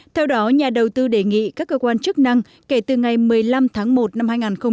theo đó nhà đầu tư đề nghị các cơ quan chức năng kể từ ngày một mươi năm tháng một năm hai nghìn hai mươi